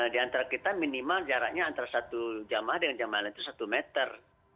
di antara kita minimal jaraknya antara satu jamaah dengan jamaah lain itu satu meter